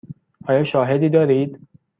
آیا شاهدی دارید؟